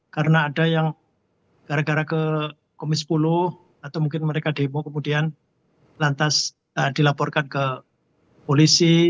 karena ada yang gara gara ke komisi sepuluh atau mungkin mereka demo kemudian lantas dilaporkan ke polisi